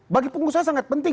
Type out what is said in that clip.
bagi pengusaha sangat penting